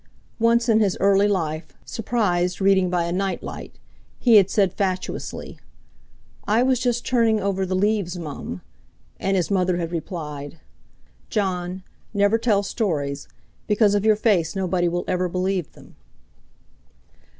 Once in his early life, surprised reading by a nightlight, he had said fatuously "I was just turning over the leaves, Mum," and his mother had replied: "Jon, never tell stories, because of your face nobody will ever believe them."